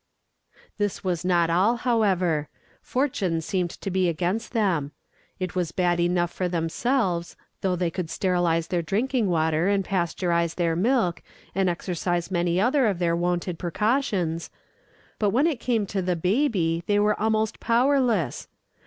That was not all, however. Fortune seemed against them. It was bad enough for themselves, though they could sterilize their drinking water and pasteurize their milk, and exercise many other of their wonted precautions; but when it came to the baby, they were almost powerless.